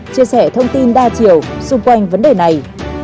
chia sẻ thông tin đa chiều xung quanh vấn đề này